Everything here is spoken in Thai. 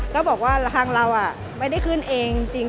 ก็บอกว่าทางเราไม่ได้ขึ้นเองจริง